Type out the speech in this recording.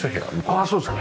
ああそうですか。